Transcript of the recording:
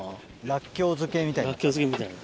らっきょう漬けみたいになって。